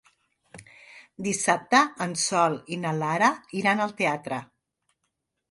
Dissabte en Sol i na Lara iran al teatre.